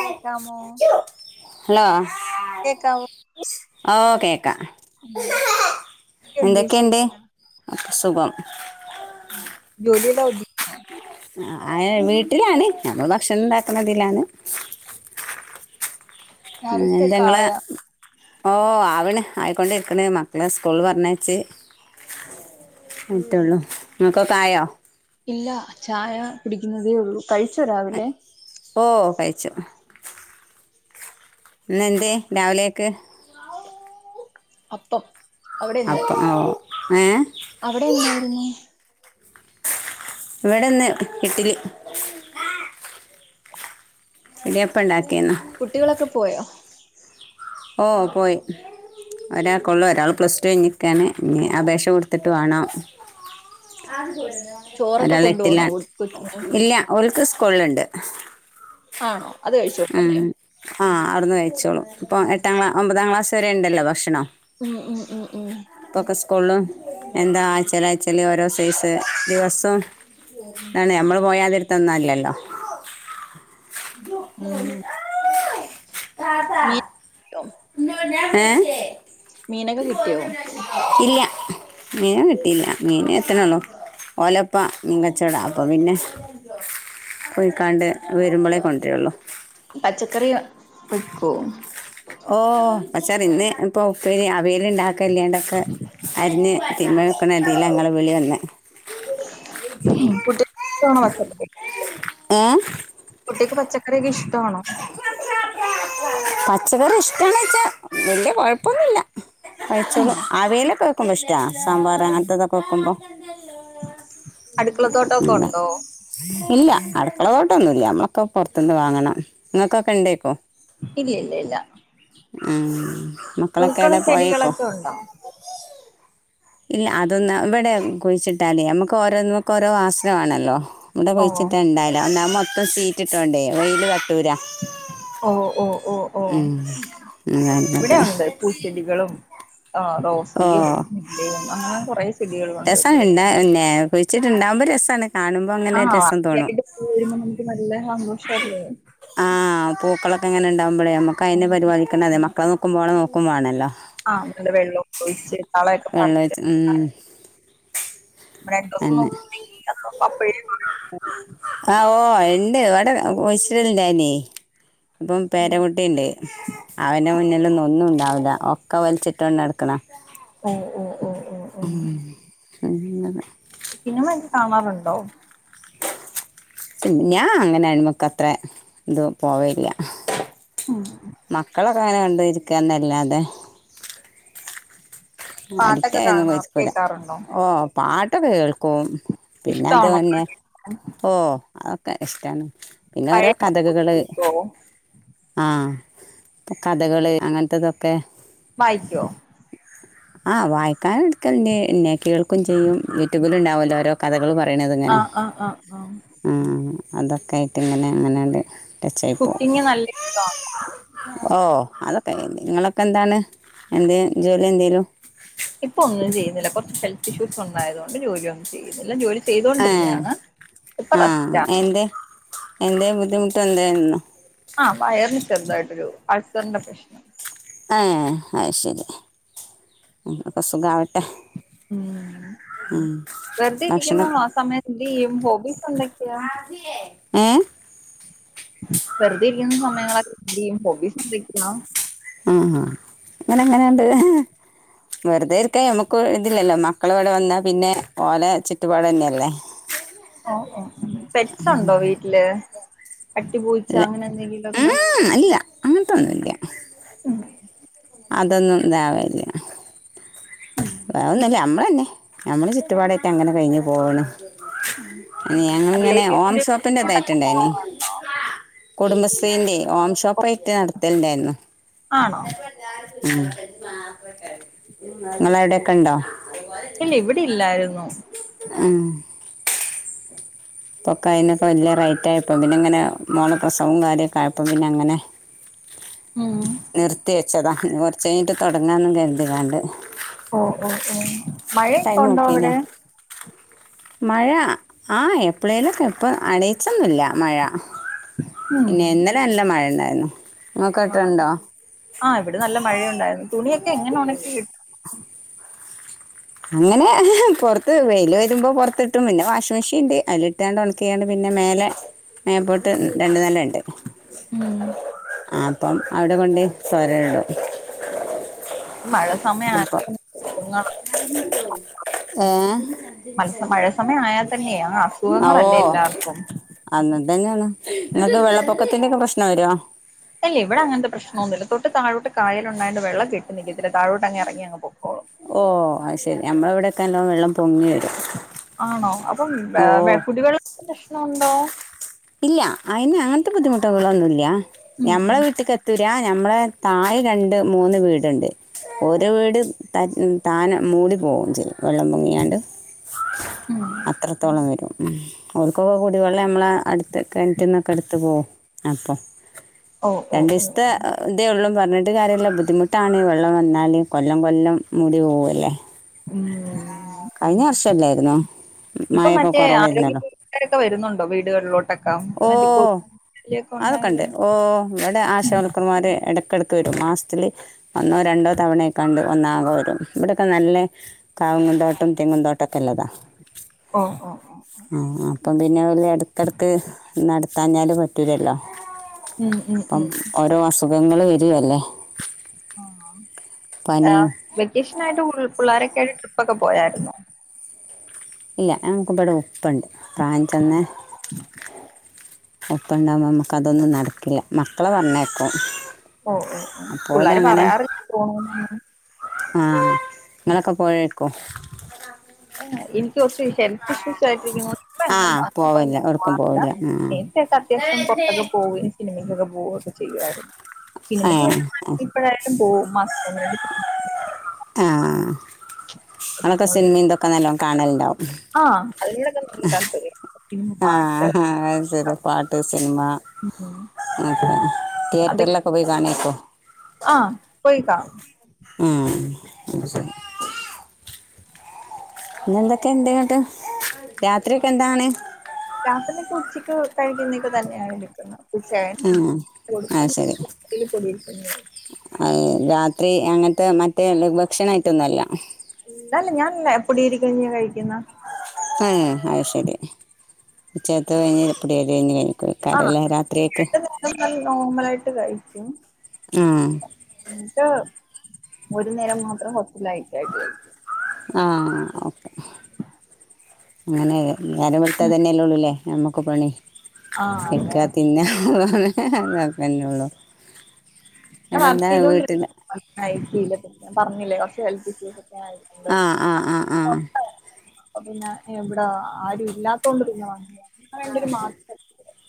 കേക്കാമോ ഹലോ കേക്കാവോ okay ഉം എന്തൊക്കെ ഉണ്ട് എന്തൊക്കെയുണ്ട് വിശേഷം ഒക്കെ സുഖം ഉം ജോലിയൊക്കെ ഒതുങ്ങിയോ ആയി വീട്ടിലാണെ നമ്മള് ഭക്ഷണം ഇണ്ടാക്കുന്ന ഇതിലാണ് ൻ രാവിലത്തേക്ക് എന്തങ്ങളെ ആയാ ഓഹ് ആ വ്ണ് ആയിക്കൊണ്ടിരിക്ക്ണ്. മക്കളെ സ്കൂൾ പറഞ്ഞയച്ച് റ്റൊള്ളൂ. ഇങ്ങക്കൊക്കെ ആയോ ഇല്ല. ചായ കുടിക്കുന്നതേ ഒള്ളൂ കഴിച്ചോ രാവിലെ ഓഹ് കയിച്ചു ഇന്നെന്തേ രാവിലെ ഒക്കെ അപ്പം. അവിടെ എന്തായി അപ്പം ഓ ഏ അവിടെ എന്തായിരുന്നു? ഇവെടെന്ന് ഇഡ്ലി. ഇലയപ്പണ്ടായ് കുട്ടികളൊക്കെ പോയോ? ഓഹ് പോയി. ഒരാക്കൊള്ളൂ ഒരാൾ പ്ലസ് ടു കഴിഞ്ഞിക്കാണ് ഇഞ്ഞ് അപേക്ഷ കൊടുത്തിട്ട് വാണം. ചോറൊക്കെ ഒരാൾ കൊണ്ടു എട്ടില. പോണോ കൊച്ചിന് ഇല്ല. ഓൽക്ക് സ്കൂളുണ്ട് ആണോ അത് കഴിച്ചോളൂ ഉം. അല്ലേ ആഹ് അവിടുന്ന് കഴിച്ചോളും ഇപ്പൊ എട്ടാംക്ലാ ഒമ്പതാം ക്ലാസ് വരെ ഇണ്ടല്ലോ ഭക്ഷണം ഉം ഉം ഉം ഉം ഇപ്പോൾ ഒക്കെ സ്കൂളിലും എന്താ ആയ്ച്ചേൽ ആയ്ച്ചേൽ ഓരോ സൈസ് ദിവസും താണെ. നമ്മള് പോയാതിര്ത്തൊന്നും അല്ലല്ലോ മീ ഏഹ്. മീനൊക്കെ കിട്ടിയോ ഇല്ല മീന കിട്ടിയില്ല മീന് എത്ത്ണൊള്ളൂ. ഓലപ്പ മീങ്കച്ചോടാ അപ്പം പിന്നെ പോയിക്കാണ്ട് വരുമ്പളേ കൊണ്ടരുള്ളു പച്ചക്കറിയൊ വെക്കോ ഓഹ് പച്ചകറി ഇന്ന് ഇപ്പൊ ഉപ്പേരിയ അ വിയൽ ഉണ്ടാക്കല്ലാണ്ട്യൊക്കെ അരിഞ്ഞ് തീമ്മ വെക്ക്ണ ഇതീല്ലാ ഇങ്ങളെ വിളി വന്ന് ഉം [unintelligible] ഏ കുട്ടിയേക്ക് പച്ചക്കറിയൊക്കെ ഇഷ്ടവാണോ പച്ചക്കറി ഇഷ്ടാണൊ വച്ചാ വല്യ കൊഴപ്പൊന്നുല്ല ഉം കഴിചോളും ആവേലൊക്കെ വയ്ക്കുമ്പോ ഇഷ്ടാ സാമ്പാർ അങ്ങനത്തെതൊക്കെ വെക്കുമ്പം അടുക്കളത്തോട്ടൊക്കെ ഉണ്ടോ ഇല്ല. അടുക്കളതോട്ടൊന്നുല്ല. നമ്മളൊക്കെ പൊറ്ത്ത്ന്ന് വാങ്ങണം. ഇങ്ങക്കൊക്കെ ഇണ്ടേക്കും ഇല്യെ ഇല്ല ഇല്ല ഉം പൂക്കളും മക്കളൊക്കെഏടെ പോയേക്കു ചെടികളൊക്കെ ഉണ്ടോ ഇല്ല. അതൊന്ന് ഇവടെ കുഴിച്ചിട്ടാലേ അമ്മുക്ക് ഓരോന്നുക്ക് ഓരോ ആശ്രഹാണല്ലോ ഇവടെ ഓ കുഴിച്ചിട്ടാണ്ടാവ് ല ഒന്നാമെ മൊത്തം സീറ്റ് ഇട്ടോണ്ടേ വെയ്ല് ത്തട്ടൂല ഓഹ് ഓഹ് ഓഹ് ഓഹ് ഉം. അതാ ഇവിടെ ഉള്ളത്. ഒണ്ട് പൂച്ചെടികളും ആഹ് റോസ് ഓ സിയും ല്ലെയും അങ്ങനെ കൊറേ ചെടികളുണ്ട് ഏഹ് കുഴിച്ചിട്ട് ഇണ്ടാവുമ്പോ രസാണ് ആഹ് [unintelligible] പൂ വിരുമ്പം നമുക്ക് നല്ല സന്തോഷല്ലേ ആഹ് പൂക്കളൊക്കെങ്ങനെണ്ടാവുമ്പളേ നമ്മുക്ക് ആ അയ്നെ പരിപാലിക്കണ്ടെതെ മക്കളെ നോക്കുമ്പോളെ നോക്കുമാണല്ലോ ആഹ് നല്ല വെള്ള ഒക്കെ ഒഴിച്ച് കളയൊക്കെ വെള്ളഴിച്ച് ഉം മന്ത അന്നെ [unintelligible] അപ്പ [unintelligible] [unintelligible] [unintelligible] ഴ ഇണ്ട് ഇവടെ കുഴ്ച്ചി ടെലേനി അപ്പം ഉം. പേരകുട്ടിണ്ട് അവന്റെ മുന്നിന്ന് [unintelligible] ഒന്നും ഉണ്ടാവുല ഒക്കെ വലിച്ചിട്ടോണ് നട്ക്ക്ണ ഒഹ് ഒഹ് ഒഹ് ഉം [unintelligible] ന്ത സിനിമ ഒക്കെ കാണാറ്ണ്ടോ ഞാൻ അങ്ങനെ ആണ്മക്ക് അത്ര ഇത് പോവെല്ല മക്കളൊക്കെ അങ്ങനെ കണ്ട് ഇരിക്കാന്നല്ലാതെ പാട്ടൊക്കെ അടുത്തായൊന്നും കാണാ പോയി ഇരിക്കൂല കേൾക്കാറുണ്ടോ ഓഹ് പാട്ടൊക്കെ കേൾക്കും പിന്നെ അതു ഇഷ്ടമാണോ പിന്നെ ഓഹ് ഇഷ്ടമാണ് പിന്നെ ഓരോ പഴയ പാട്ടൊക്കെ കഥകുകള് കേൾക്കുവോ ആഹ ഇപ്പൊ കഥകള് അങ്ങനത്തോതൊക്കെ വായിക്കോ ആഹ് വായിക്കാൻ എടുക്കൽ ണ്ട് കേൾക്കും ചെയ്യും യൂട്യൂബിൽ ഉണ്ടാവല്ലോ ഓരോ കഥകൾ പറ പറണത്ങ്ങനെ ആഹ് ആഹ് ആഹ് ആഹ് ആ അതൊക്കെ ആയിട്ട് ഇങ്ങനെ അങ്ങനെയാണ്ട് കുക്കിങ് നല്ല ഇഷ്ടമാണ് മ് [inaudible] ഓ അതൊക്കെ നിങ്ങളൊക്കെ എന്താണ് എന്ധെ ജോലി എന്ധെലും ഇപ്പൊ ഒന്നും ചെയ്യുന്നില്ല കുറച്ച് ഹെൽത്ത് ഇഷ്യൂസ് ഉണ്ടായത് കൊണ്ട് ജോലിയ ഒന്നും ചെയ്യുന്നില്ല ജോലി ഏ ചെയ്തൊണ്ടിരുന്നതാണ് ഇപ്പൊ റെസ്റ്റ് ആണ് എന്ധെ ബുദ്ധിമുട്ട് എന്തെങ്കിലും ണ്ടോ ആഹ് വയറിന് ചെറുതായിട്ടൊരു അൾസറിന്റെ പ്രശ്നം ഹ അയ് ശരി സുകാവ ഉം വെറുതെ ഭക്ഷണം ഇരിക്കുമ്പോ ആ സമയം എന്ത് ചെയ്യും ഹോബീസ് എന്തൊക്കെയാ ഏ വെറുതെ ഇരിക്കുന്ന സമയങ്ങളൊ എ ഹോബി [unintelligible] ആഹ ഇങ്ങന എങ്ങനെയുണ്ട് വെറുതെ ഇരിക്കാ മ്മക്ക് ഇതില്ലല്ലോ മക്കൾ ഇവിടെ വന്നാ പിന്നെ ഓലെ ചുറ്റുപാട തന്നെയല്ലേ ഓ ഓ പെറ്റ്സ് ഉണ്ടോ വീട്ടില് പട്ടി പൂച്ച അങ്ങനെ എന്തെങ്കിലുഒ ക്കെ അങ്ങനത്തൊന്നുല്ല അതൊന്നും ഇണ്ടാവല്ല വന്നില്ല നമ്മള തന്നെ നമ്മള് ചുറ്റുപാടൊക്കെ അങ്ങനെ കഴിഞ്ഞ് പോകണ് അനി ഞങ്ങിങ്ങനെ ഓം റിലേറ്റീവ്സിന്റെ ഷോപ്പിന്റെ വീട്ടിലോട്ടൊക്കെ ഇതായിട്ടുണ്ടായിന പോവാറുണ്ടോ കുടുംബശ്രീന്റെ ഓം ഷോപ്പയിട്ട് നടത്തലുണ്ടായിരുന്നു ആണോ ഉം നിങ്ങ ൾ അ വിടെൊക്കെ ഇണ്ടോ ഇല്ല ഇവിടെ ഇല്ലായിരുന്നു ആ പൊക്ക അതിനൊക്കെ വലിയ റൈറ്റ് പ്പോക്കെ അയിനൊക്കെ വലിയ റൈറ്റ് ആയപ്പോം പിന്നെ ഇങ്ങനെ മോള പ്രസവം കാര്യൊക്കെ ആയപ്പോ പിന്നെ അങ്ങനെ ഉം നിർത്തി വെച്ചതാ കുറച്ച് കഴിഞ്ഞിട്ട് തുടങ്ങാന്ന് കരുതി കണ്ട് ഓ ഓ ഓ മഴയൊക്കെ ടൈം ഉണ്ടോ നോക്കിനാ അവിടെ മഴ ആ എപ്ലെങ്കിലുമൊക്കെ ഇപ്പ അണ യിച്ചൊന്നില്ല മഴ ഉം പിന്നെ ഇ ന്നലെ നല്ല മഴണ്ടായിരുന്നു ഇങ്ങക്കൊക്കെ ണ്ടോ ആഹ് ഇവിടെ നല്ല മഴയുണ്ടായിരുന്നു തുണിയൊക്കെ എങ്ങനെ ഉണക്കി അങ്ങനെ പുറത്ത് വെയിൽ വരുമ്പോ പുറത്ത് ഇട്ടും പിന്നെ വാഷിംഗ മെഷീൻ ഉണ്ട് അതിലിട്ടാണ്ട് ഉണക്കിക്കാണ്ട് പിന്നെ പിന്നെ മേലെ മേപ്പോട്ട് രണ്ട് നെല ഉണ്ട് ഉം അപ്പം അവിടെ കൊണ്ട് സ്വരേ ഈ മഴ സമയം ഉ ആയാൽ തന്നെ അസുഖങ്ങളാ. മത്സ മഴ സമയം ആയാൽ തന്നെ ആ ഏ ഓോ അസുഖങ്ങളല്ലേ എല്ലാവർക്കും അന്നത് തന്നെയാണ് നിങ്ങക്ക് വെള്ളപ്പൊക്കത്തിന്റെൊക്കെ പ്രശ്നം വരുമോ ഇല്ല ഇവിടെ അങ്ങനത്തെ പ്രശ്നം ഒന്നും ഇല്ല തൊട്ട് തായോട്ട് കായലുണ്ടായൊണ്ട് വെള്ളം കെട്ടി നിക്കത്തില്ല തായോട്ട് ഇറങ്ങി അങ്ങ് പൊക്കോളും ഓ അത് ശെരി നമ്മള എവിടെക്കെ നല്ലോം വെള്ളം പൊങ്ങിവരും ആണോ അപ്പം വേ കുട്ടികൾ പ്രശ്നുണ്ടോ ഇല്ല അതിന് അങ്ങനത്തെ ബുദ്ധിമുട്ടുകളൊന്നും ഇല്ല ഉം ഞമ്മളെ വീട്ടക്ക് എത്ത ഞമ്മളെ തായ് രണ്ട് മൂന്ന് വീടുണ്ട് ഓരോ വീട് ത താനം മൂടി പോവും ചിൽ വെള്ളം പൊങ്ങിയാണ്ട് അത്രത്തോളം വരും ഓർക്കൊക്കെ കുടിവെള്ളം നമ്മള അടു കിണിറ്റിൽന്നൊക്കെ എടുത്ത് പോവും അപ്പോൾ ഓ ഓ രണ്ട് ഓ ദിവസത്തെ ഓ ഇതേ ഉള്ളൂ പറഞ്ഞി ഒരു കാര്യമുള്ള ബുദ്ധിമുട്ടാണ് വെള്ളം വന്നാല് കൊല്ലം കൊല്ലം മുടി പോവ ല്ലേ ഉം കഴിഞ്ഞ വർഷല്ലായിരുന്നോ ഇപ്പൊ മറ്റേ ആരോഗ്യപ്രവർത്തക രൊക്കെ വരുന്നുണ്ടോ വീടുകളിലോട്ട് ഓഹ് അതൊക്കെയൊണ്ട് ഉണ്ടായതുകൊണ്ട് ഓഹ് ഇവിടെ ആശവർക്കന്മാര് ഇടക്കടക്ക- ഒക്കെ വരും മാസത്തില് ഒന്നോ രണ്ടോ തവണയെക്കണ്ട് ഒന്ന് ആകെ വരും ഇവിടെക്കെ നല്ല- പൂന്തോട്ടം തേങ്ങിൻതോട്ടം ട്ടക്കല്ലതാ ഓ ഓ ഓ ആഹ് അപ്പം പിന്നെ ഇടയ്ക്കുയിടക്ക് - അടുത്തഞ്ഞാലും പറ്റൂലല്ലോ ഉം ഉം ഉം സുഖങ്ങള് വരുവല്ലേ വെക്കേഷനായിട്ട് പിള്ളാരെ - യായിട്ട് ട്രിപ്പ് ഒക്കെ പോയാരുന്നോ ഇല്ല നമ്മക്കിവിടെ ഉപ്പയുണ്ട് പ്രായം ചെന്നെ ഉപ്പ ഉണ്ടാവകുമ്പോ നമുക്ക് അതൊന്നും നടക്കില്ല മക്കളെ പറഞ്ഞയ്ക്കും ഓഹ് ഓഹ് പിള്ളോര് പറയാറില്ല പോണോന്ന് ആഹ് നിങ്ങളൊക്കെ പോയിരിക്കും ആഹ് എനിക്ക് കൊറച്ച് ഹെൽത്ത് ഇഷ്യൂസ് ആയിട്ടിരിക്കുന്നു ഇപ്പ ആ എങ്ങും പോവില്ല അത്യവശ്യം എവിടേക്കും പോവാറില്ല പോവില്ല ആ നേര്ത്തെയൊക്കെ അത്യാവശ്യം പൊറത്തോക്കെ പോകും സിനിമക്കൊക്കെ- പോവുയൊക്കെ ചെയ്യുവമായിരുന്നു സിനിമയ്ക്ക് ഏ, വേണോങ്കിൽ ഇപ്പഴായാലും പോകും പോകവും മാസ ര ആഹ് അതൊക്കെ സിനിമന്തൊക്കെ നല്ലോണം കാണലുണ്ടാവും ആഹ് അതിനോടൊക്കെ നല്ല താല്പര്യം ആഹ് ആഹ് ശരി പാട്ട് സിനിമ- ഉം തിയേറ്ററിലൊക്കെ പോയി കാണക്കോ ആഹ് പോയി കൊയ്ക്കാണും ഊം [unintelligible] പിന്നെ എന്തൊക്കെണ്ട് ന്നിട്ട് രാത്രി ഒക്കെ എന്താണ് രാത്രിയൊക്കെ ഉച്ചക്ക് കഴിക്കുന്നേക്ക തന്നെയാണ് എടുക്കുന്നത് ചേട്ടൻ ഉം കൊടുക്കും അത് ശെരി രാത്രിയില് പൊടിയിരിക്കഞ്ഞിയാ അഹ് രാത്രി അങ്ങനത്തെ മറ്റേ ലഘു ഭക്ഷണായിട്ടൊന്നല്ല ഇല്ലല്ല ഞാൻ പൊടി അരിയാ കഴിക്കുന്ന ഏഹ് അഹ് ശരി ഉച്ചേത്ത് കഴിഞ്ഞ [unintelligible] ആഹ് [unintelligible] നോർമൽ ആയിട്ട് കഴിക്കും ആ എന്നിട്ട് ഒരു നേരം മാത്രം കൊറച്ച് ലേറ്റായിട്ട് കഴിക്കും ആഹ് ഓക്കെ അങ്ങനെ നേരം വെളുത്ത ഇതന്നെല്ലേ ഉള്ളൂല്ലേ നമ്മുക്ക് പണി ആഹ് അതെ കെട്ക്കാ തിന്നാ [unintelligible] ന്നൊള്ളൂ ഞാൻ വർക്ക് ചെയ്തൊണ്ടി [unintelligible] പറഞ്ഞില്ലേ കുറച്ച് ഹെൽത്ത് ഇഷ്യൂസ് ഒക്കെ ആയതുകൊണ്ട് ആഹ് ആഹ് ആഹ് ആഹ് അപ്പൊ പിന്നെ എവിടെ ആരും ഇല്ലാത്തൊണ്ട് പിന്നെ വന്നി ഞങ്ങൾ രണ്ടു പേരും മാ [unintelligible]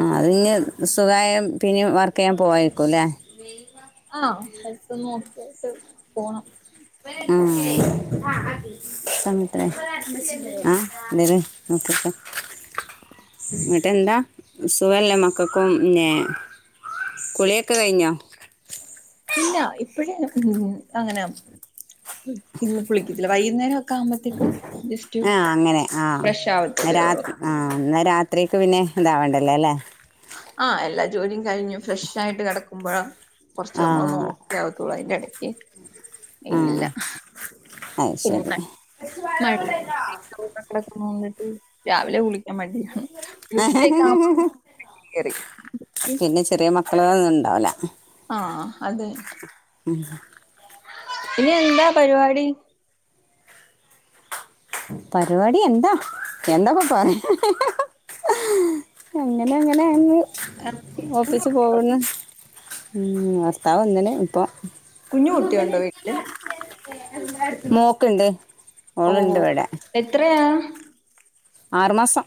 ആഹ് അതിഞ്ഞ് സുഖായ പിന്നേം വർക്ക് ചെയ്യാൻ പോവേയിക്കുംല്ലേ ആഹ് ഹെൽത്തൊന്ന് ഓക്കെയായിട്ട് പോണം ആഹ് അങ്ങനെ തന്നെ ആഹ് [unintelligible] ഓക്കെ ന്നിട്ട് എന്താ സുവല്ലേ മക്കക്കും പിന്നെ കുളി ഒക്കെ കഴിഞ്ഞോ ഇല്ല ഇപ്പഴ് അങ്ങനെ ഇന്ന് കുളിക്കത്തില്ല വൈകുന്നേരം ഒക്കെ ആവുമ്പയത്തേക്ക് ജസ്റ്റ് ആ ഫ്രഷ് ആവത്തതേ ഒള്ളു ആഹ് എന്നാ രാത്രിക്ക് പിന്നെ ഇതാവണ്ടല്ലേ ല്ലെ ആഹ് എല്ലാ ജോലിയും കഴിഞ്ഞു ഫ്രഷായിട്ട് കെടക്കുമ്പോഴ കോർച്ച് ആ നമ്മള് ഓക്കെ ആവത്തോള്ളു അയ്ന്റെ എട ഇ ആ ഇല്ല അത് ശരി [unintelligible] രാവിലെ കുളി ക്കാൻ മടിയാണ് [unintelligible] അഹ് നന്നാവുല ആഹ് അതെ ഉം ഇനി എന്താ പരിപാടി? പരിപാടി എന്താ എന്താപ്പ [unintelligible] അങ്ങനെ അങ്ങനെണ്ട് ആ, കുഞ്ഞു ഓഫീസ് പോക്ന്ന് ഉം ഭർത്താവ് വന്ന്ണ് ഇപ്പൊ കുഞ്ഞു കുട്ടിയുണ്ടോ വീട്ടില്? മോക്ക് ഇണ്ട് ഓ ഓള് ഇണ്ട് വട് എത്രയാ? ആറ് മാസം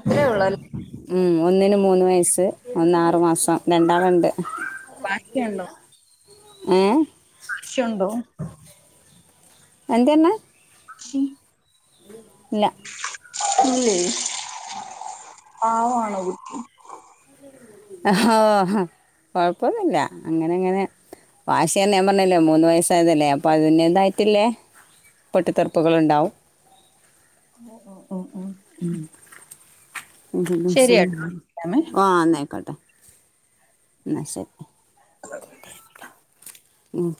അത്രേ ഉള്ളൂ അല്ലേ ഒന്നിന് മൂന്ന് വയസ്സ് ഒന്ന് ആറ് മാസം രണ്ടാള്ണ്ട് വാശിയുണ്ടോ ഏഹ് ചോണ്ടോ എന്തെർന്നെ? [unintelligible] ഇല്ല ഇല്ലേ പാവാണോള് [unintelligible] കൊഴപ്പൊന്നുല്ല അങ്ങനെ അങ്ങനെ വാഷിന്നെ ഞാൻ പർഞ്ഞില്ലേ മൂന്ന് വയസ്സായതല്ലേ അപ്പൊ അതിന്റെതായിട്ടില്ലേ പൊട്ടിത്തെറുപ്പുകള്ണ്ടാവും. ഓഹ് ഓഹ് മ് [unintelligible] ശരിയാട്ടോ വിളിക്കാമേ ആഹ് എന്നായിക്കോട്ടെ എന്ന ശെരി. [unintelligible]